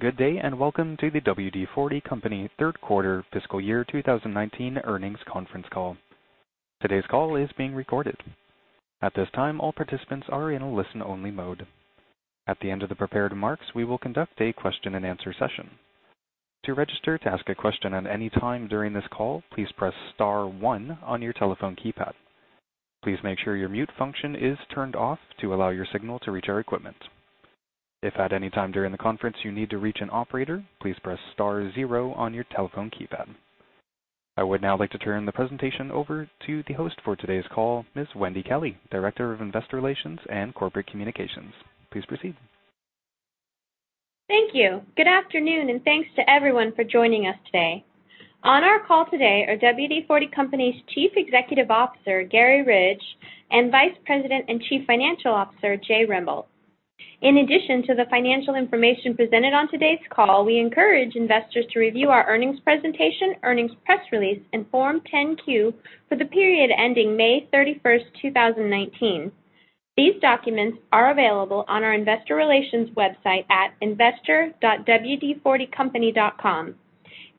Good day, welcome to the WD-40 Company third quarter fiscal year 2019 earnings conference call. Today's call is being recorded. At this time, all participants are in a listen-only mode. At the end of the prepared remarks, we will conduct a question and answer session. To register to ask a question at any time during this call, please press star one on your telephone keypad. Please make sure your mute function is turned off to allow your signal to reach our equipment. If at any time during the conference you need to reach an operator, please press star zero on your telephone keypad. I would now like to turn the presentation over to the host for today's call, Ms. Wendy Kelley, Director of Investor Relations and Corporate Communications. Please proceed. Thank you. Good afternoon, thanks to everyone for joining us today. On our call today are WD-40 Company's Chief Executive Officer, Garry Ridge, and Vice President and Chief Financial Officer, Jay Rembolt. In addition to the financial information presented on today's call, we encourage investors to review our earnings presentation, earnings press release, and Form 10-Q for the period ending May 31st, 2019. These documents are available on our investor relations website at investor.wd40company.com.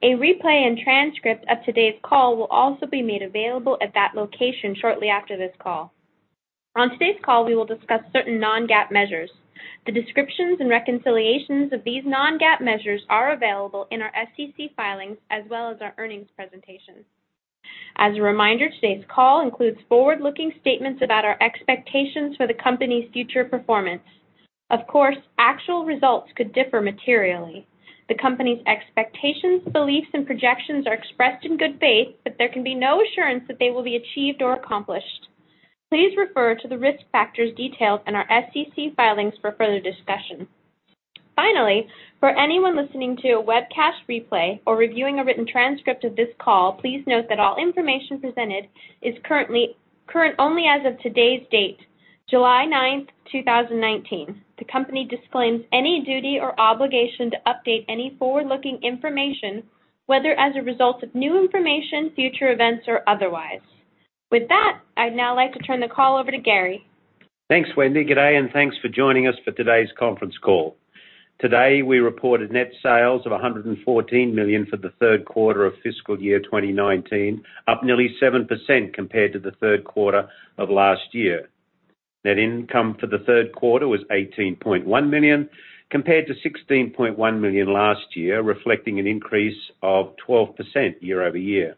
A replay and transcript of today's call will also be made available at that location shortly after this call. On today's call, we will discuss certain non-GAAP measures. The descriptions and reconciliations of these non-GAAP measures are available in our SEC filings as well as our earnings presentation. As a reminder, today's call includes forward-looking statements about our expectations for the company's future performance. Of course, actual results could differ materially. The company's expectations, beliefs, projections are expressed in good faith, but there can be no assurance that they will be achieved or accomplished. Please refer to the risk factors detailed in our SEC filings for further discussion. Finally, for anyone listening to a webcast replay or reviewing a written transcript of this call, please note that all information presented is current only as of today's date, July 9th, 2019. The company disclaims any duty or obligation to update any forward-looking information, whether as a result of new information, future events, or otherwise. With that, I'd now like to turn the call over to Garry. Thanks, Wendy. Good day, thanks for joining us for today's conference call. Today, we reported net sales of $114 million for the third quarter of fiscal year 2019, up nearly 7% compared to the third quarter of last year. Net income for the third quarter was $18.1 million compared to $16.1 million last year, reflecting an increase of 12% year-over-year.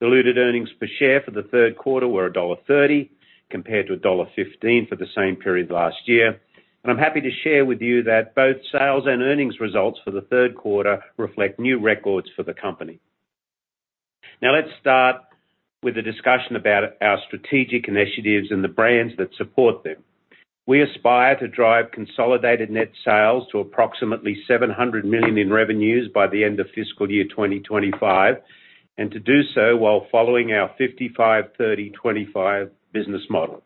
Diluted earnings per share for the third quarter were $1.30 compared to $1.15 for the same period last year. I'm happy to share with you that both sales and earnings results for the third quarter reflect new records for the company. Now, let's start with a discussion about our strategic initiatives and the brands that support them. We aspire to drive consolidated net sales to approximately $700 million by the end of FY 2025, and to do so while following our 55/30/25 business model.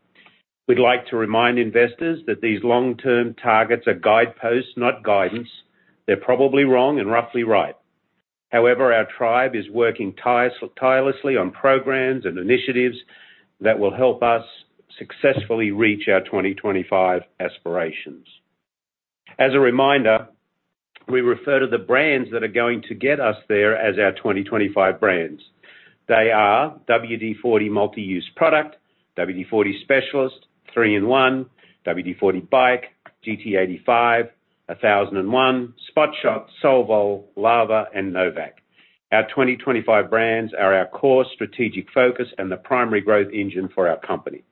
We would like to remind investors that these long-term targets are guideposts, not guidance. They are probably wrong and roughly right. However, our tribe is working tirelessly on programs and initiatives that will help us successfully reach our 2025 aspirations. As a reminder, we refer to the brands that are going to get us there as our 2025 Brands. They are WD-40 Multi-Use Product, WD-40 Specialist, 3-IN-ONE, WD-40 Bike, GT85, 1001, Spot Shot, Solvol, Lava, and no vac. Our 2025 Brands are our core strategic focus and the primary growth engine for our company.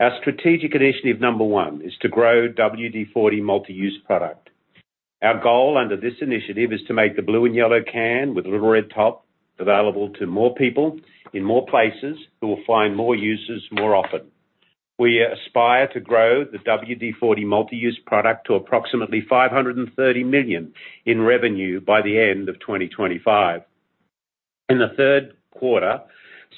Our Strategic Initiative Number One is to grow WD-40 Multi-Use Product. Our goal under this initiative is to make the blue and yellow can with the little red top available to more people in more places who will find more uses more often. We aspire to grow the WD-40 Multi-Use Product to approximately $530 million in revenue by the end of 2025. In the third quarter,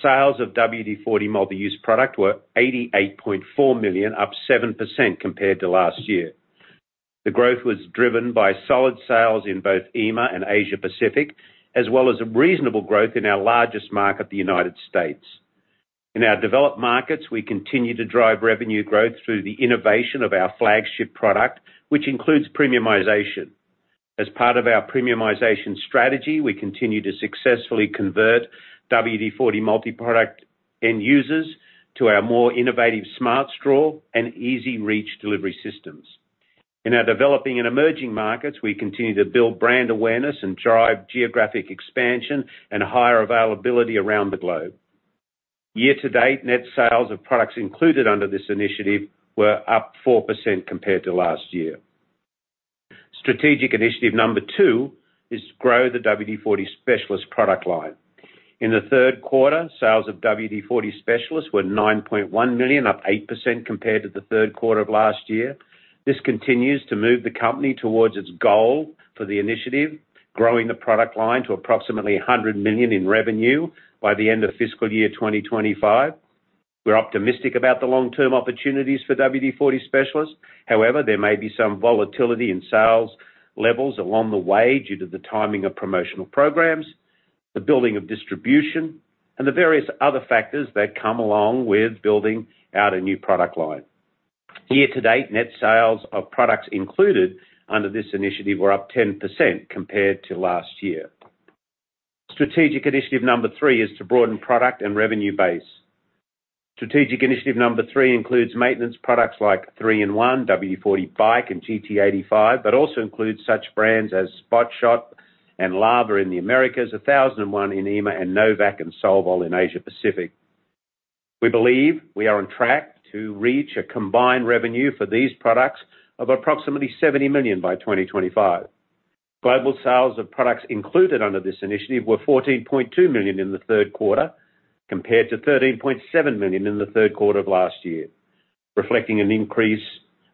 sales of WD-40 Multi-Use Product were $88.4 million, up 7% compared to last year. The growth was driven by solid sales in both EMEA and Asia Pacific, as well as a reasonable growth in our largest market, the United States. In our developed markets, we continue to drive revenue growth through the innovation of our flagship product, which includes premiumization. As part of our premiumization strategy, we continue to successfully convert WD-40 Multi-Use Product end users to our more innovative Smart Straw and easy reach delivery systems. In our developing and emerging markets, we continue to build brand awareness and drive geographic expansion and higher availability around the globe. Year-to-date, net sales of products included under this initiative were up 4% compared to last year. Strategic Initiative Number Two is to grow the WD-40 Specialist product line. In the third quarter, sales of WD-40 Specialist were $9.1 million, up 8% compared to the third quarter of last year. This continues to move the company towards its goal for the initiative, growing the product line to approximately $100 million in revenue by the end of FY 2025. We are optimistic about the long-term opportunities for WD-40 Specialist. However, there may be some volatility in sales levels along the way due to the timing of promotional programs. The building of distribution and the various other factors that come along with building out a new product line. Year-to-date, net sales of products included under this initiative were up 10% compared to last year. Strategic Initiative Number Three is to broaden product and revenue base. Strategic Initiative Number Three includes maintenance products like 3-IN-ONE, WD-40 Bike, and GT85, but also includes such brands as Spot Shot and Lava in the Americas, 1001 in EMEA, and no vac and Solvol in Asia Pacific. We believe we are on track to reach a combined revenue for these products of approximately $70 million by 2025. Global sales of products included under this initiative were $14.2 million in the third quarter, compared to $13.7 million in the third quarter of last year, reflecting an increase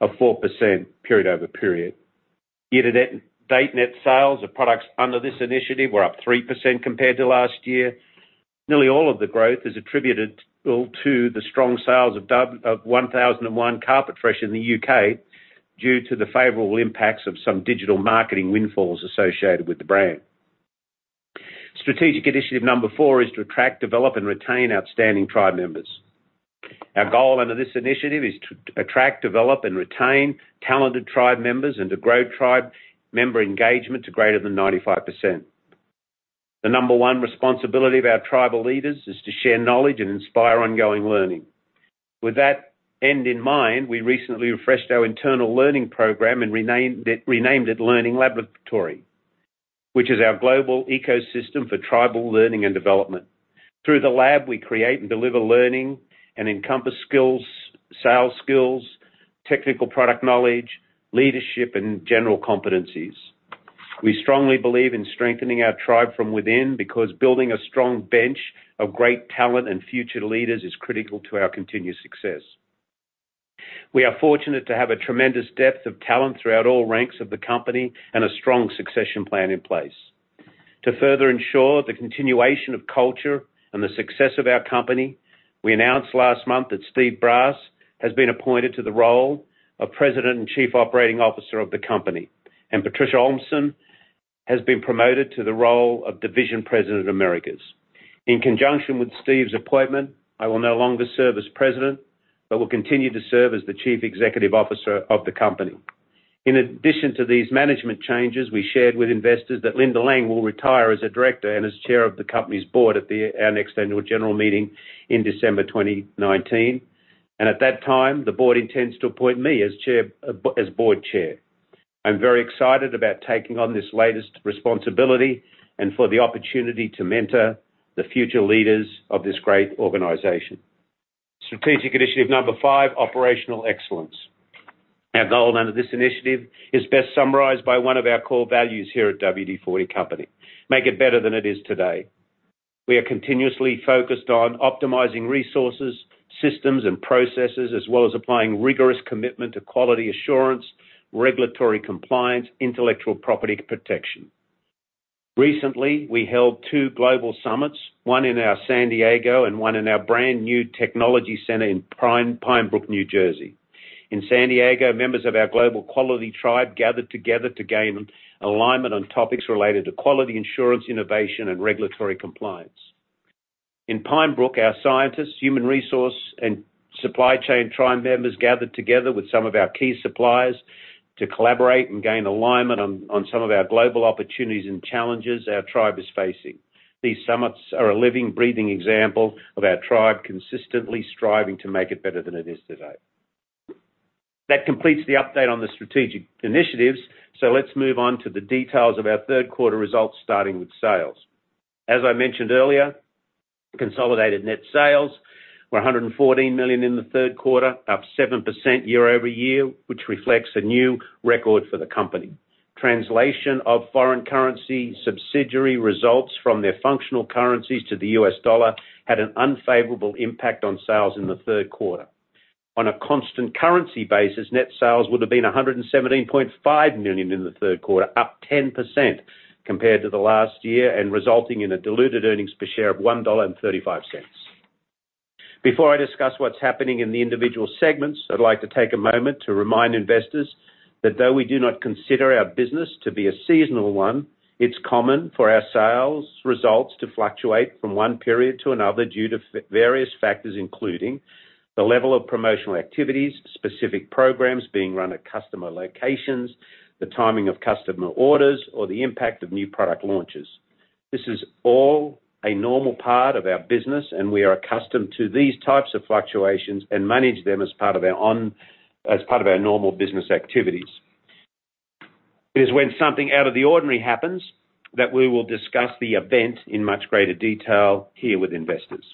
of 4% period over period. Year-to-date net sales of products under this initiative were up 3% compared to last year. Nearly all of the growth is attributable to the strong sales of 1001 Carpet Fresh in the U.K. due to the favorable impacts of some digital marketing windfalls associated with the brand. Strategic initiative number four is to attract, develop, and retain outstanding tribe members. Our goal under this initiative is to attract, develop, and retain talented tribe members and to grow tribe member engagement to greater than 95%. The number one responsibility of our tribal leaders is to share knowledge and inspire ongoing learning. With that end in mind, we recently refreshed our internal learning program and renamed it Learning Laboratory, which is our global ecosystem for tribal learning and development. Through the lab, we create and deliver learning and encompass skills, sales skills, technical product knowledge, leadership, and general competencies. We strongly believe in strengthening our tribe from within because building a strong bench of great talent and future leaders is critical to our continued success. We are fortunate to have a tremendous depth of talent throughout all ranks of the company and a strong succession plan in place. To further ensure the continuation of culture and the success of our company, we announced last month that Steve Brass has been appointed to the role of President and Chief Operating Officer of the company, and Patricia Olsem has been promoted to the role of Division President Americas. In conjunction with Steve's appointment, I will no longer serve as President, but will continue to serve as the Chief Executive Officer of the company. In addition to these management changes, we shared with investors that Linda Lang will retire as a director and as chair of the company's board at our next annual general meeting in December 2019. At that time, the board intends to appoint me as board chair. I'm very excited about taking on this latest responsibility and for the opportunity to mentor the future leaders of this great organization. Strategic initiative number five, operational excellence. Our goal under this initiative is best summarized by one of our core values here at WD-40 Company: Make it better than it is today. We are continuously focused on optimizing resources, systems, and processes, as well as applying rigorous commitment to quality assurance, regulatory compliance, intellectual property protection. Recently, we held two global summits, one in our San Diego and one in our brand-new technology center in Pine Brook, New Jersey. In San Diego, members of our global quality tribe gathered together to gain alignment on topics related to quality assurance, innovation, and regulatory compliance. In Pine Brook, our scientists, human resource, and supply chain tribe members gathered together with some of our key suppliers to collaborate and gain alignment on some of our global opportunities and challenges our tribe is facing. These summits are a living, breathing example of our tribe consistently striving to make it better than it is today. That completes the update on the strategic initiatives. Let's move on to the details of our third quarter results, starting with sales. As I mentioned earlier, consolidated net sales were $114 million in the third quarter, up 7% year-over-year, which reflects a new record for the company. Translation of foreign currency subsidiary results from their functional currencies to the U.S. dollar had an unfavorable impact on sales in the third quarter. On a constant currency basis, net sales would have been $117.5 million in the third quarter, up 10% compared to the last year and resulting in a diluted earnings per share of $1.35. Before I discuss what's happening in the individual segments, I'd like to take a moment to remind investors that though we do not consider our business to be a seasonal one, it's common for our sales results to fluctuate from one period to another due to various factors, including the level of promotional activities, specific programs being run at customer locations, the timing of customer orders, or the impact of new product launches. This is all a normal part of our business. We are accustomed to these types of fluctuations and manage them as part of our normal business activities. It is when something out of the ordinary happens that we will discuss the event in much greater detail here with investors.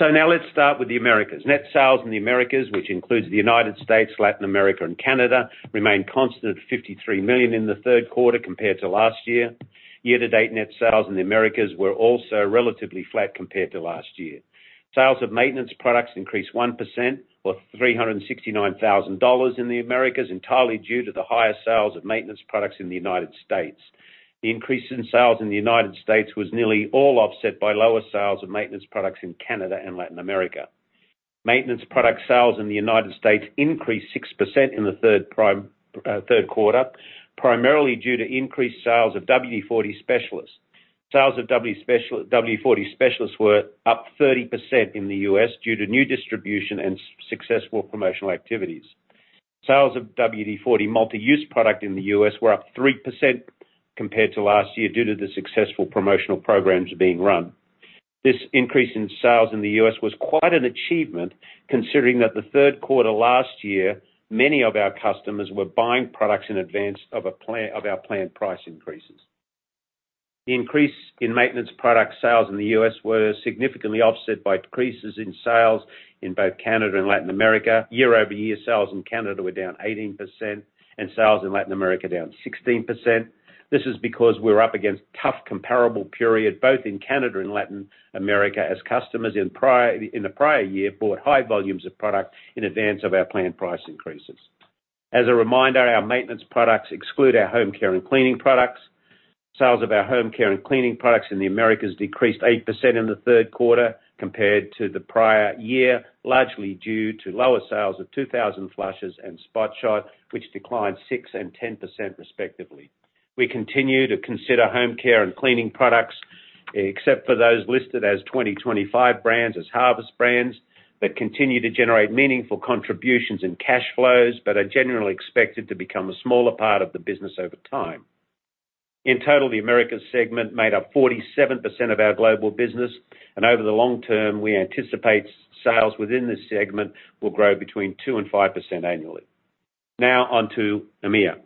Now let's start with the Americas. Net sales in the Americas, which includes the United States, Latin America, and Canada, remained constant at $53 million in the third quarter compared to last year. Year-to-date, net sales in the Americas were also relatively flat compared to last year. Sales of maintenance products increased 1% or $369,000 in the Americas, entirely due to the higher sales of maintenance products in the United States. The increase in sales in the United States was nearly all offset by lower sales of maintenance products in Canada and Latin America. Maintenance product sales in the United States increased 6% in the third quarter, primarily due to increased sales of WD-40 Specialist. Sales of WD-40 Specialist were up 30% in the U.S. due to new distribution and successful promotional activities. Sales of WD-40 Multi-Use Product in the U.S. were up 3% compared to last year, due to the successful promotional programs being run. This increase in sales in the U.S. was quite an achievement considering that the third quarter last year, many of our customers were buying products in advance of our planned price increases. The increase in maintenance product sales in the U.S. were significantly offset by decreases in sales in both Canada and Latin America. Year-over-year sales in Canada were down 18%. Sales in Latin America down 16%. This is because we're up against tough comparable period, both in Canada and Latin America, as customers in the prior year bought high volumes of product in advance of our planned price increases. As a reminder, our maintenance products exclude our home care and cleaning products. Sales of our home care and cleaning products in the Americas decreased 8% in the third quarter compared to the prior year, largely due to lower sales of 2000 Flushes and Spot Shot, which declined 6% and 10% respectively. We continue to consider home care and cleaning products, except for those listed as 2025 brands as harvest brands, that continue to generate meaningful contributions and cash flows, but are generally expected to become a smaller part of the business over time. In total, the Americas segment made up 47% of our global business, and over the long term, we anticipate sales within this segment will grow between 2% and 5% annually. Now on to EMEA.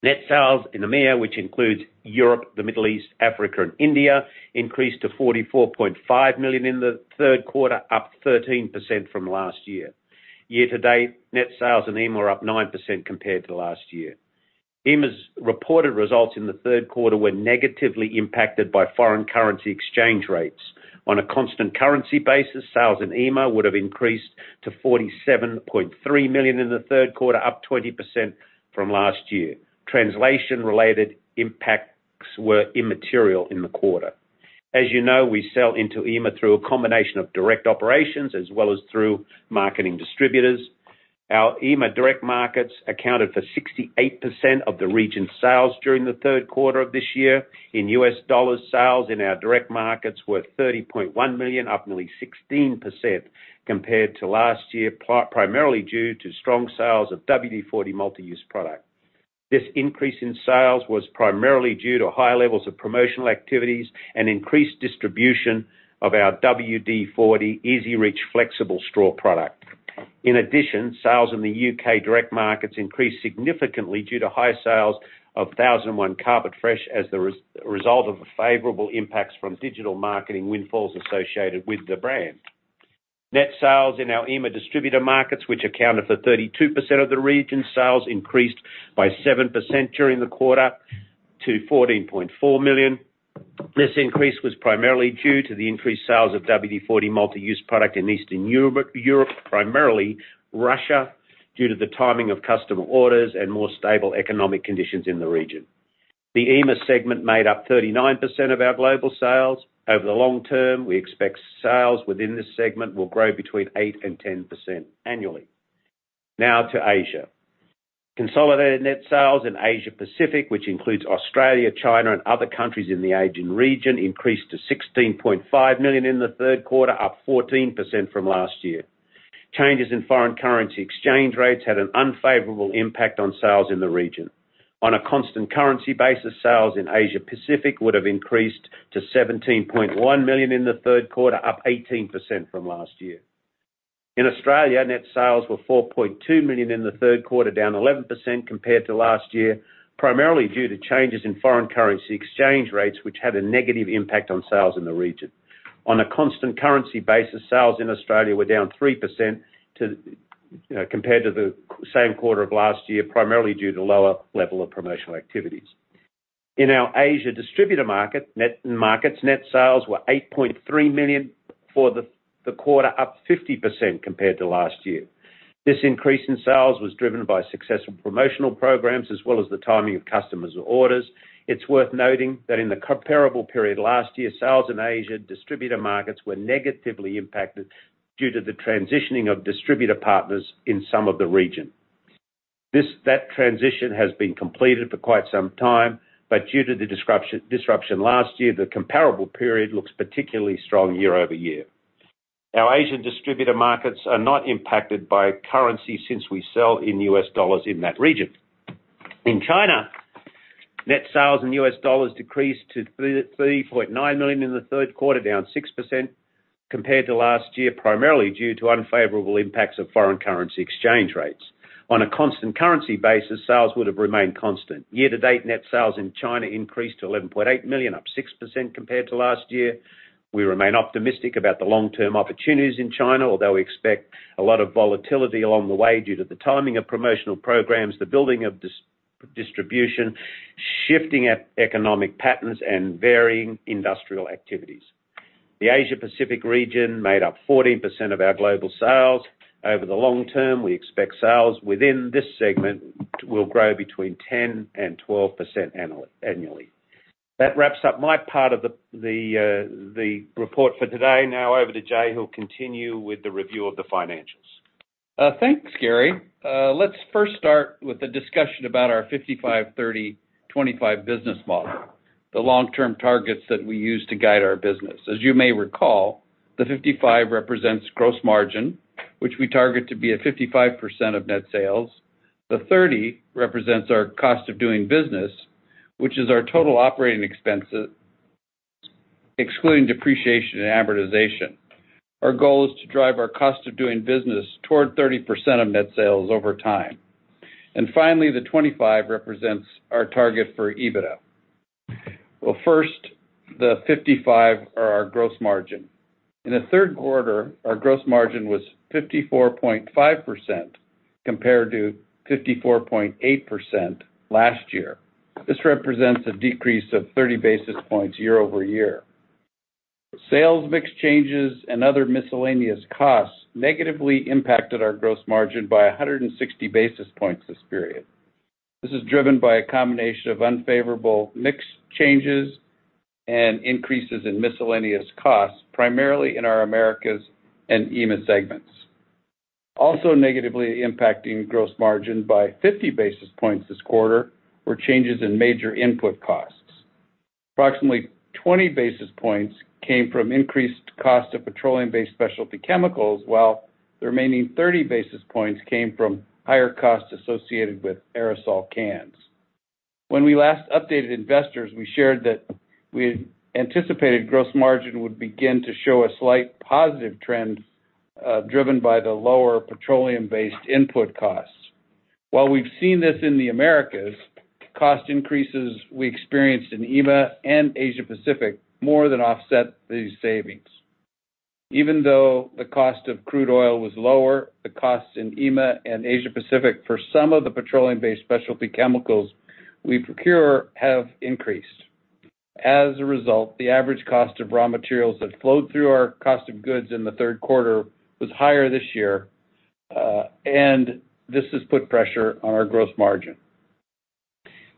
Net sales in EMEA, which includes Europe, the Middle East, Africa, and India, increased to $44.5 million in the third quarter, up 13% from last year. Year-to-date, net sales in EMEA are up 9% compared to last year. EMEA's reported results in the third quarter were negatively impacted by foreign currency exchange rates. On a constant currency basis, sales in EMEA would have increased to $47.3 million in the third quarter, up 20% from last year. Translation-related impacts were immaterial in the quarter. As you know, we sell into EMEA through a combination of direct operations as well as through marketing distributors. Our EMEA direct markets accounted for 68% of the region's sales during the third quarter of this year. In U.S. dollars, sales in our direct markets were $30.1 million, up nearly 16% compared to last year, primarily due to strong sales of WD-40 Multi-Use Product. This increase in sales was primarily due to high levels of promotional activities and increased distribution of our WD-40 EZ-REACH flexible straw product. In addition, sales in the U.K. direct markets increased significantly due to high sales of 1001 Carpet Fresh as a result of the favorable impacts from digital marketing windfalls associated with the brand. Net sales in our EMEA distributor markets, which accounted for 32% of the region's sales, increased by 7% during the quarter to $14.4 million. This increase was primarily due to the increased sales of WD-40 Multi-Use Product in Eastern Europe, primarily Russia, due to the timing of customer orders and more stable economic conditions in the region. The EMEA segment made up 39% of our global sales. Over the long term, we expect sales within this segment will grow between 8% and 10% annually. Now to Asia. Consolidated net sales in Asia Pacific, which includes Australia, China, and other countries in the Asian region, increased to $16.5 million in the third quarter, up 14% from last year. Changes in foreign currency exchange rates had an unfavorable impact on sales in the region. On a constant currency basis, sales in Asia Pacific would have increased to $17.1 million in the third quarter, up 18% from last year. In Australia, net sales were $4.2 million in the third quarter, down 11% compared to last year, primarily due to changes in foreign currency exchange rates, which had a negative impact on sales in the region. On a constant currency basis, sales in Australia were down 3% compared to the same quarter of last year, primarily due to lower level of promotional activities. In our Asia distributor markets, net sales were $8.3 million for the quarter, up 50% compared to last year. This increase in sales was driven by successful promotional programs as well as the timing of customers' orders. It's worth noting that in the comparable period last year, sales in Asia distributor markets were negatively impacted due to the transitioning of distributor partners in some of the region. That transition has been completed for quite some time, but due to the disruption last year, the comparable period looks particularly strong year-over-year. Our Asian distributor markets are not impacted by currency since we sell in U.S. dollars in that region. In China, net sales in U.S. dollars decreased to $3.9 million in the third quarter, down 6% compared to last year, primarily due to unfavorable impacts of foreign currency exchange rates. On a constant currency basis, sales would have remained constant. Year to date, net sales in China increased to $11.8 million, up 6% compared to last year. We remain optimistic about the long-term opportunities in China, although we expect a lot of volatility along the way due to the timing of promotional programs, the building of distribution, shifting economic patterns, and varying industrial activities. The Asia-Pacific region made up 14% of our global sales. Over the long term, we expect sales within this segment will grow between 10% and 12% annually. That wraps up my part of the report for today. Now over to Jay, who'll continue with the review of the financials. Thanks, Garry. Let's first start with a discussion about our 55/30/25 business model, the long-term targets that we use to guide our business. As you may recall, the 55 represents gross margin, which we target to be at 55% of net sales. The 30 represents our cost of doing business, which is our total operating expenses, excluding depreciation and amortization. Our goal is to drive our cost of doing business toward 30% of net sales over time. Finally, the 25 represents our target for EBITDA. Well, first, the 55 are our gross margin. In the third quarter, our gross margin was 54.5% compared to 54.8% last year. This represents a decrease of 30 basis points year-over-year. Sales mix changes and other miscellaneous costs negatively impacted our gross margin by 160 basis points this period. This is driven by a combination of unfavorable mix changes and increases in miscellaneous costs, primarily in our Americas and EMEA segments. Also negatively impacting gross margin by 50 basis points this quarter were changes in major input costs. Approximately 20 basis points came from increased cost of petroleum-based specialty chemicals, while the remaining 30 basis points came from higher costs associated with aerosol cans. When we last updated investors, we shared that we anticipated gross margin would begin to show a slight positive trend, driven by the lower petroleum-based input costs. While we've seen this in the Americas, cost increases we experienced in EMEA and Asia-Pacific more than offset these savings. Even though the cost of crude oil was lower, the costs in EMEA and Asia-Pacific for some of the petroleum-based specialty chemicals we procure have increased. As a result, the average cost of raw materials that flowed through our cost of goods in the third quarter was higher this year, and this has put pressure on our gross margin.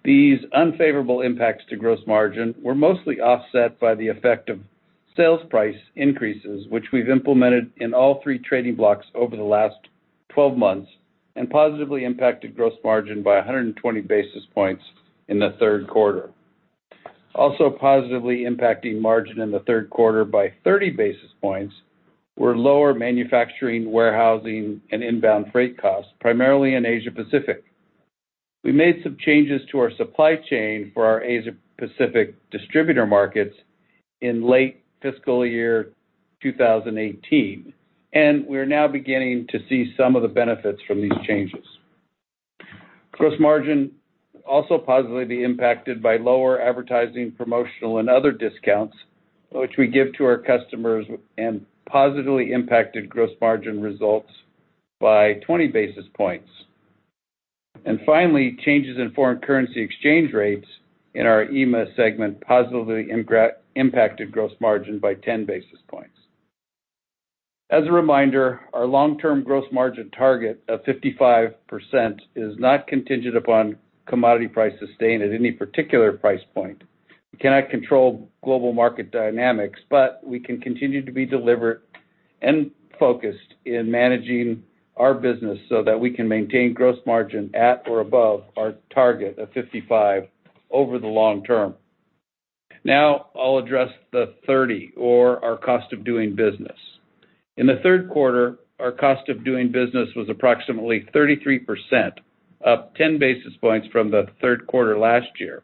These unfavorable impacts to gross margin were mostly offset by the effect of sales price increases, which we've implemented in all three trading blocks over the last 12 months and positively impacted gross margin by 120 basis points in the third quarter. Also positively impacting margin in the third quarter by 30 basis points were lower manufacturing, warehousing, and inbound freight costs, primarily in Asia-Pacific. We made some changes to our supply chain for our Asia-Pacific distributor markets in late fiscal year 2018, and we are now beginning to see some of the benefits from these changes. Gross margin also positively impacted by lower advertising, promotional, and other discounts which we give to our customers and positively impacted gross margin results by 20 basis points. Finally, changes in foreign currency exchange rates in our EMEA segment positively impacted gross margin by 10 basis points. As a reminder, our long-term gross margin target of 55% is not contingent upon commodity prices staying at any particular price point. We cannot control global market dynamics, but we can continue to be deliberate and focused in managing our business so that we can maintain gross margin at or above our target of 55% over the long term. Now I'll address the 30, or our cost of doing business. In the third quarter, our cost of doing business was approximately 33%, up 10 basis points from the third quarter last year.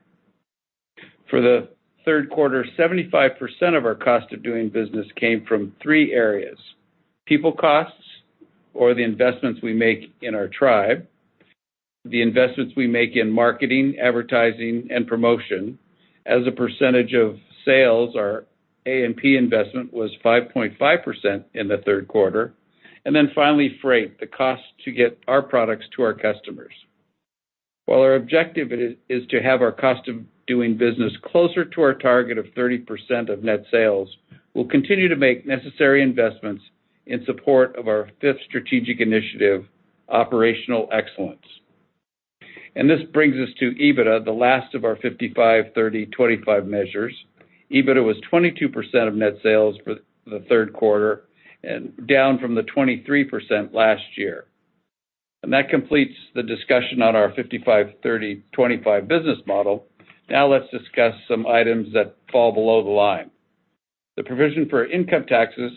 For the third quarter, 75% of our cost of doing business came from three areas. People costs or the investments we make in our tribe, the investments we make in marketing, advertising, and promotion. As a percentage of sales, our A&P investment was 5.5% in the third quarter. Finally, freight, the cost to get our products to our customers. While our objective is to have our cost of doing business closer to our target of 30% of net sales, we'll continue to make necessary investments in support of our fifth strategic initiative, operational excellence. This brings us to EBITDA, the last of our 55/30/25 measures. EBITDA was 22% of net sales for the third quarter, and down from the 23% last year. That completes the discussion on our 55/30/25 business model. Now let's discuss some items that fall below the line. The provision for income taxes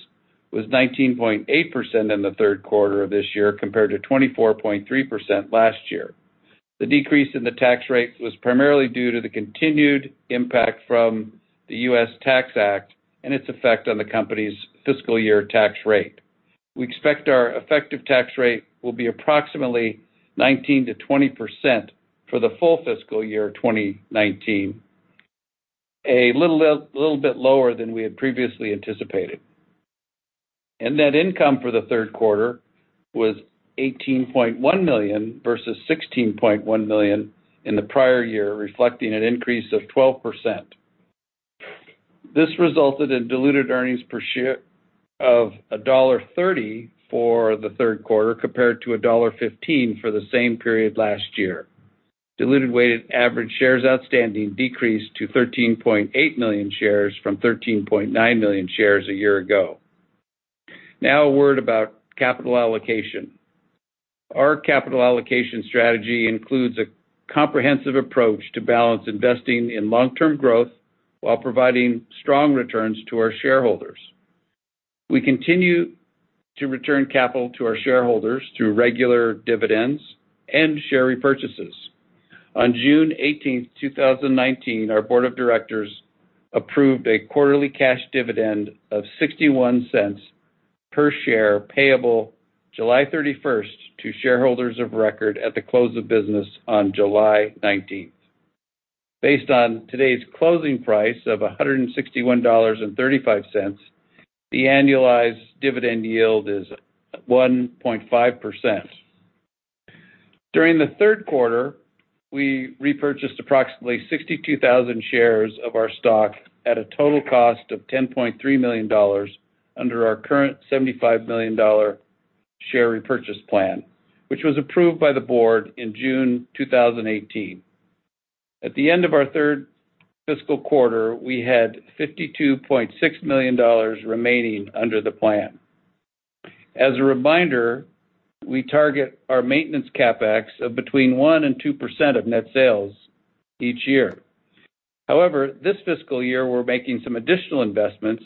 was 19.8% in the third quarter of this year, compared to 24.3% last year. The decrease in the tax rate was primarily due to the continued impact from the U.S. Tax Act and its effect on the company's fiscal year tax rate. We expect our effective tax rate will be approximately 19%-20% for the full fiscal year 2019, a little bit lower than we had previously anticipated. Net income for the third quarter was $18.1 million versus $16.1 million in the prior year, reflecting an increase of 12%. This resulted in diluted earnings per share of $1.30 for the third quarter, compared to $1.15 for the same period last year. Diluted weighted average shares outstanding decreased to 13.8 million shares from 13.9 million shares a year ago. Now a word about capital allocation. Our capital allocation strategy includes a comprehensive approach to balance investing in long-term growth while providing strong returns to our shareholders. We continue to return capital to our shareholders through regular dividends and share repurchases. On June 18th, 2019, our board of directors approved a quarterly cash dividend of $0.61 per share, payable July 31st to shareholders of record at the close of business on July 19th. Based on today's closing price of $161.35, the annualized dividend yield is 1.5%. During the third quarter, we repurchased approximately 62,000 shares of our stock at a total cost of $10.3 million under our current $75 million share repurchase plan, which was approved by the board in June 2018. At the end of our third fiscal quarter, we had $52.6 million remaining under the plan. As a reminder, we target our maintenance CapEx of between 1%-2% of net sales each year. However, this fiscal year, we're making some additional investments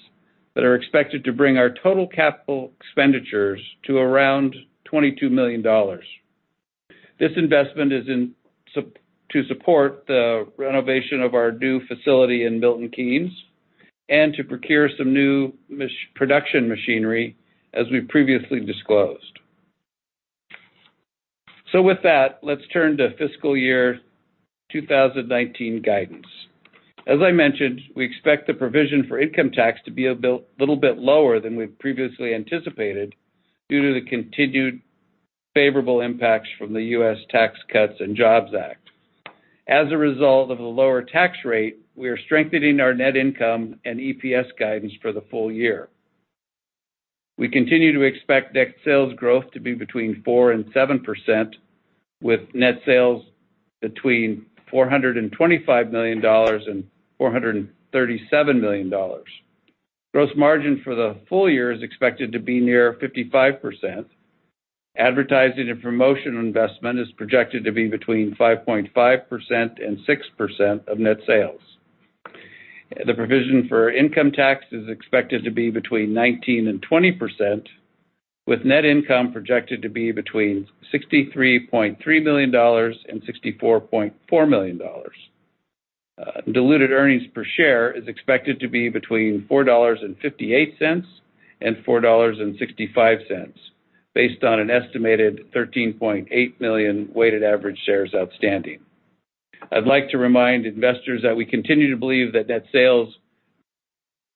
that are expected to bring our total capital expenditures to around $22 million. This investment is to support the renovation of our new facility in Milton Keynes and to procure some new production machinery as we previously disclosed. With that, let's turn to fiscal year 2019 guidance. As I mentioned, we expect the provision for income tax to be a little bit lower than we've previously anticipated due to the continued favorable impacts from the U.S. Tax Cuts and Jobs Act. As a result of the lower tax rate, we are strengthening our net income and EPS guidance for the full year. We continue to expect net sales growth to be between 4%-7%, with net sales between $425 million-$437 million. Gross margin for the full year is expected to be near 55%. Advertising and promotion investment is projected to be between 5.5%-6% of net sales. The provision for income tax is expected to be between 19%-20%, with net income projected to be between $63.3 million-$64.4 million. Diluted earnings per share is expected to be between $4.58-$4.65, based on an estimated 13.8 million weighted average shares outstanding. I'd like to remind investors that we continue to believe that net sales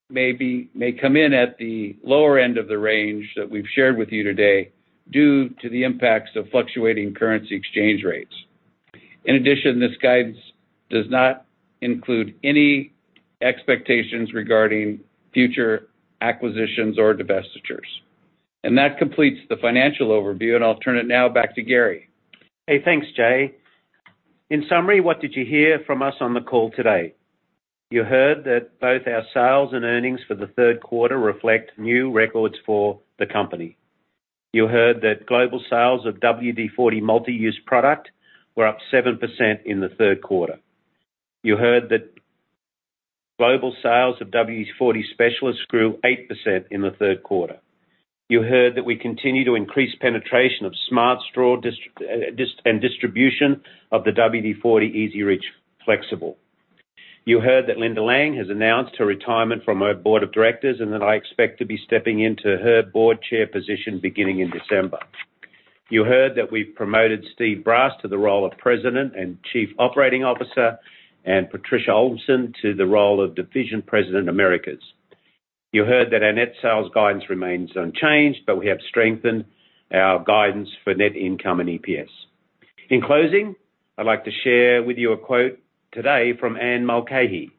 may come in at the lower end of the range that we've shared with you today due to the impacts of fluctuating currency exchange rates. In addition, this guidance does not include any expectations regarding future acquisitions or divestitures. That completes the financial overview, and I'll turn it now back to Garry. Hey, thanks, Jay. In summary, what did you hear from us on the call today? You heard that both our sales and earnings for the third quarter reflect new records for the company. You heard that global sales of WD-40 Multi-Use Product were up 7% in the third quarter. You heard that global sales of WD-40 Specialist grew 8% in the third quarter. You heard that we continue to increase penetration of Smart Straw and distribution of the WD-40 EZ-REACH Flexible. You heard that Linda Lang has announced her retirement from our board of directors, and that I expect to be stepping into her Board Chair position beginning in December. You heard that we've promoted Steve Brass to the role of President and Chief Operating Officer and Patricia Olsem to the role of Division President, Americas. You heard that our net sales guidance remains unchanged. We have strengthened our guidance for net income and EPS. In closing, I'd like to share with you a quote today from Anne Mulcahy.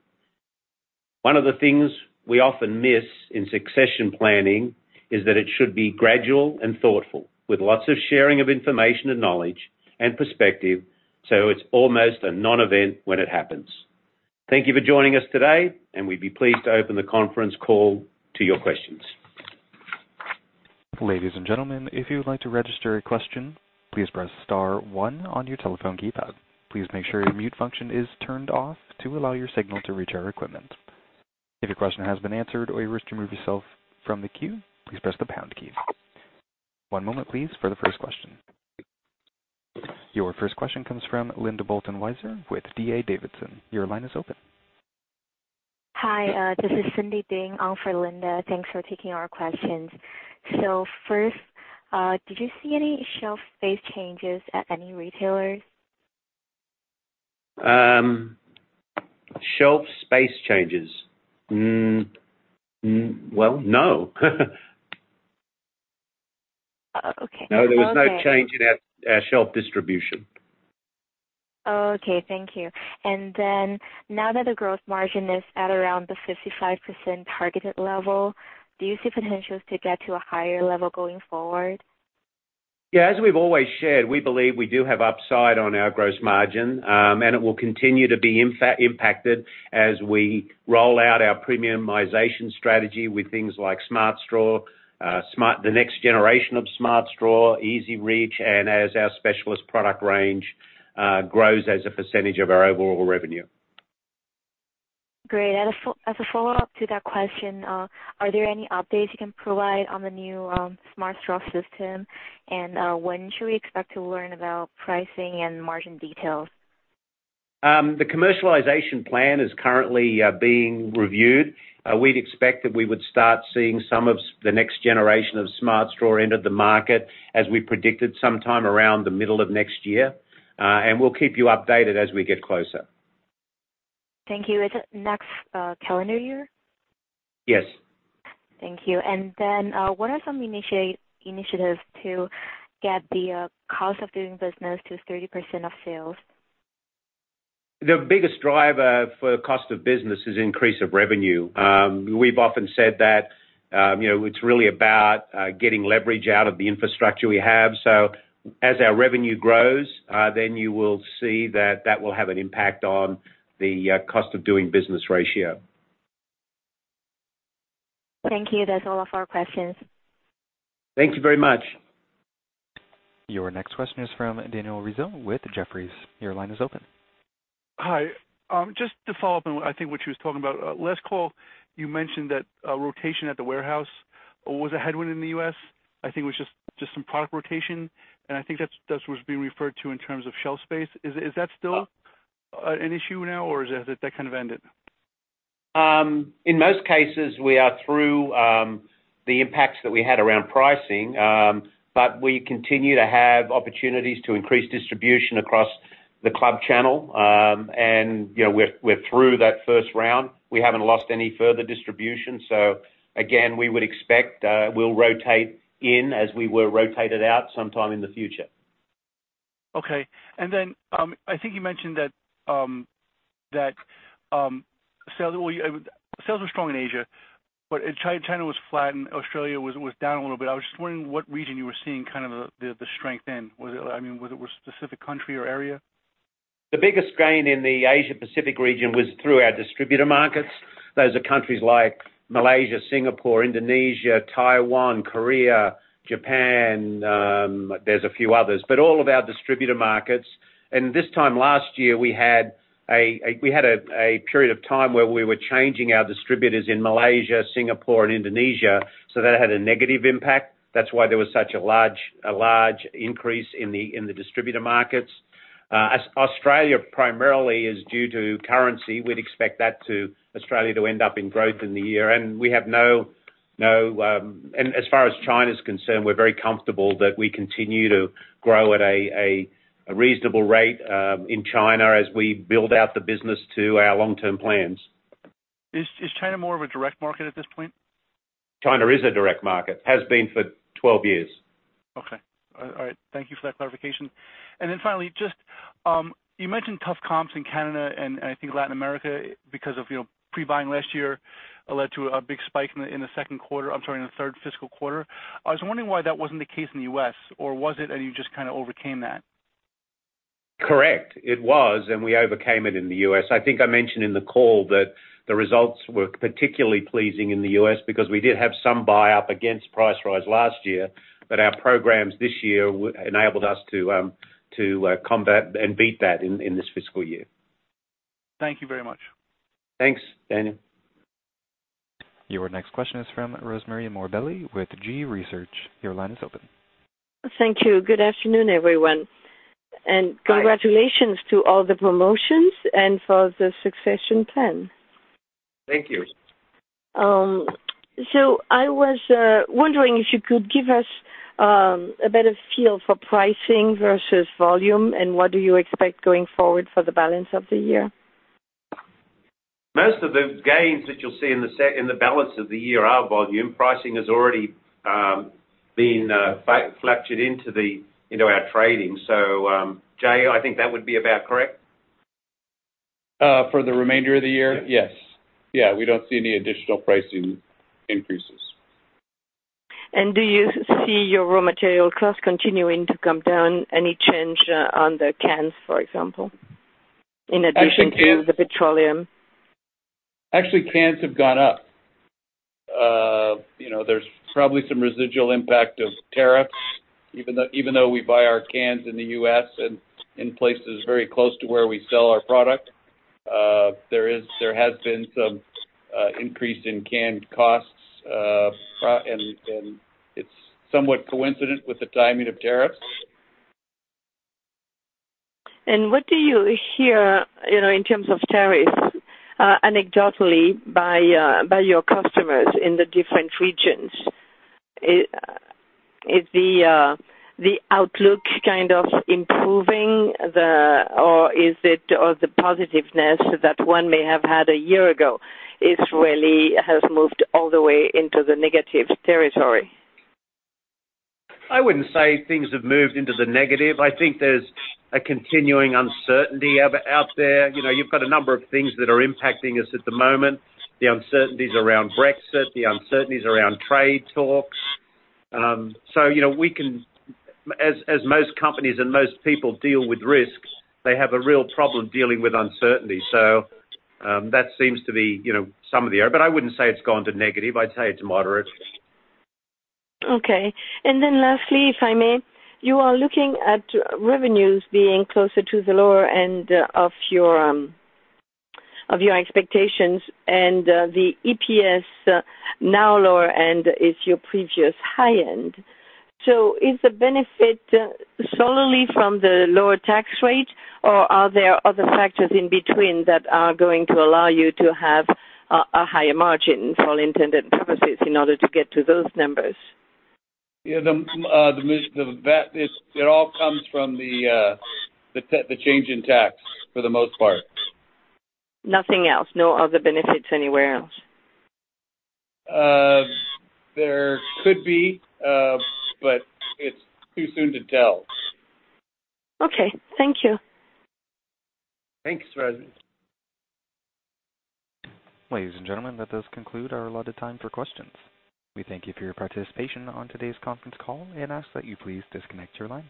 "One of the things we often miss in succession planning is that it should be gradual and thoughtful, with lots of sharing of information and knowledge and perspective, so it's almost a non-event when it happens." Thank you for joining us today. We'd be pleased to open the conference call to your questions. Ladies and gentlemen, if you would like to register a question, please press *1 on your telephone keypad. Please make sure your mute function is turned off to allow your signal to reach our equipment. If your question has been answered or you wish to remove yourself from the queue, please press the # key. One moment, please, for the first question. Your first question comes from Linda Bolton-Weiser with D.A. Davidson. Your line is open. Hi, this is Cindy Ding on for Linda. Thanks for taking our questions. First, did you see any shelf space changes at any retailers? Shelf space changes. Well, no. Oh, okay. No, there was no change in our shelf distribution. Okay, thank you. Now that the gross margin is at around the 55% targeted level, do you see potentials to get to a higher level going forward? Yeah. As we've always shared, we believe we do have upside on our gross margin, and it will continue to be impacted as we roll out our premiumization strategy with things like Smart Straw, the next generation of Smart Straw, EZ-REACH, and as our Specialist product range grows as a percentage of our overall revenue. Great. As a follow-up to that question, are there any updates you can provide on the new Smart Straw system? When should we expect to learn about pricing and margin details? The commercialization plan is currently being reviewed. We'd expect that we would start seeing some of the next generation of Smart Straw into the market, as we predicted, sometime around the middle of next year. We'll keep you updated as we get closer. Thank you. Is it next calendar year? Yes. Thank you. What are some initiatives to get the cost of doing business to 30% of sales? The biggest driver for cost of business is increase of revenue. We've often said that it's really about getting leverage out of the infrastructure we have. As our revenue grows, then you will see that that will have an impact on the cost of doing business ratio. Thank you. That's all of our questions. Thank you very much. Your next question is from Daniel Rizzo with Jefferies. Your line is open. Hi. Just to follow up on, I think, what you were talking about. Last call, you mentioned that rotation at the warehouse was a headwind in the U.S. I think it was just some product rotation, and I think that's what's being referred to in terms of shelf space. Is that still an issue now, or has that kind of ended? In most cases, we are through the impacts that we had around pricing. We continue to have opportunities to increase distribution across the club channel. We're through that first round. We haven't lost any further distribution. Again, we would expect we'll rotate in as we were rotated out sometime in the future. Okay. I think you mentioned that sales were strong in Asia, but China was flat and Australia was down a little bit. I was just wondering what region you were seeing kind of the strength in. Was it a specific country or area? The biggest gain in the Asia Pacific region was through our distributor markets. Those are countries like Malaysia, Singapore, Indonesia, Taiwan, Korea, Japan, there's a few others. All of our distributor markets. This time last year, we had a period of time where we were changing our distributors in Malaysia, Singapore and Indonesia. That had a negative impact. That's why there was such a large increase in the distributor markets. Australia primarily is due to currency. We'd expect Australia to end up in growth in the year. As far as China's concerned, we're very comfortable that we continue to grow at a reasonable rate in China as we build out the business to our long-term plans. Is China more of a direct market at this point? China is a direct market. Has been for 12 years. Okay. All right. Thank you for that clarification. Finally, just you mentioned tough comps in Canada and I think Latin America because of pre-buying last year led to a big spike in the second quarter, I'm sorry, in the third fiscal quarter. I was wondering why that wasn't the case in the U.S., or was it, and you just kind of overcame that? Correct. It was. We overcame it in the U.S. I think I mentioned in the call that the results were particularly pleasing in the U.S. because we did have some buy-up against price rise last year. Our programs this year enabled us to combat and beat that in this fiscal year. Thank you very much. Thanks, Daniel. Your next question is from Rosemary Morbelli with G-Research. Your line is open. Thank you. Good afternoon, everyone. Hi. Congratulations to all the promotions and for the succession plan. Thank you. I was wondering if you could give us a better feel for pricing versus volume and what do you expect going forward for the balance of the year? Most of the gains that you'll see in the balance of the year are volume. Pricing has already been factored into our trading. Jay, I think that would be about correct? For the remainder of the year? Yes. Yeah, we don't see any additional pricing increases. Do you see your raw material costs continuing to come down? Any change on the cans, for example, in addition to the petroleum? Actually, cans have gone up. There's probably some residual impact of tariffs, even though we buy our cans in the U.S. and in places very close to where we sell our product. There has been some increase in canned costs, and it's somewhat coincident with the timing of tariffs. What do you hear in terms of tariffs, anecdotally, by your customers in the different regions? Is the outlook kind of improving, or the positiveness that one may have had a year ago has moved all the way into the negative territory? I wouldn't say things have moved into the negative. I think there's a continuing uncertainty out there. You've got a number of things that are impacting us at the moment, the uncertainties around Brexit, the uncertainties around trade talks. As most companies and most people deal with risks, they have a real problem dealing with uncertainty. That seems to be some of the air, but I wouldn't say it's gone to negative. I'd say it's moderate. Okay. Lastly, if I may, you are looking at revenues being closer to the lower end of your expectations and the EPS now lower end is your previous high end. Is the benefit solely from the lower tax rate, or are there other factors in between that are going to allow you to have a higher margin, for all intended purposes, in order to get to those numbers? Yeah. It all comes from the change in tax for the most part. Nothing else? No other benefits anywhere else? There could be, but it's too soon to tell. Okay. Thank you. Thanks, Rosemary. Ladies and gentlemen, that does conclude our allotted time for questions. We thank you for your participation on today's conference call and ask that you please disconnect your line.